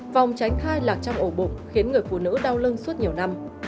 phòng tránh thai lạc trong ổ bụng khiến người phụ nữ đau lưng suốt nhiều năm